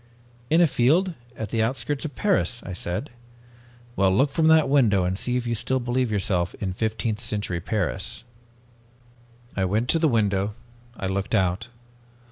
"'In a field at the outskirts of Paris,' I said. "'Well, look from that window and see if you still believe yourself in your 15th century Paris.' "I went to the window. I looked out.